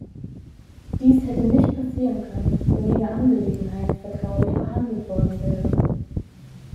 Dies hätte nicht passieren können, wenn ihre Angelegenheit vertraulich behandelt worden wäre.